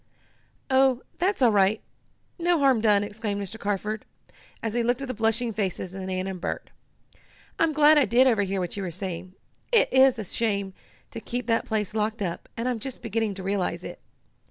"Oh, that's all right no harm done!" exclaimed Mr. Carford, as he looked at the blushing faces of Nan and Bert. "I'm glad I did overhear what you were saying. It is a shame to keep that place locked up, and I'm just beginning to realize it.